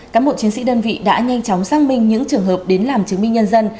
các bộ chiến sĩ đơn vị đã nhanh chóng xác minh những trường hợp đến làm chứng minh nhân dân